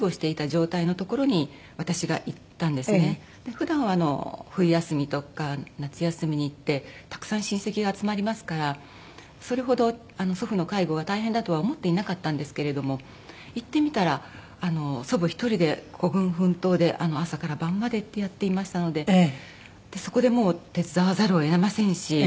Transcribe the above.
普段は冬休みとか夏休みに行ってたくさん親戚が集まりますからそれほど祖父の介護は大変だとは思っていなかったんですけれども行ってみたら祖母１人で孤軍奮闘で朝から晩までってやっていましたのでそこでもう手伝わざるを得ませんし。